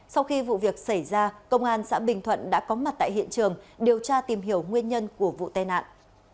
sau khi vụ việc xảy ra công an xã bình thuận đã có mặt tại hiện trường điều tra tìm hiểu nguyên nhân của vụ tai nạn